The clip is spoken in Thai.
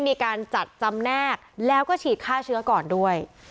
มีการจัดจำแนกแล้วก็ฉีดฆ่าเชื้อก่อนด้วย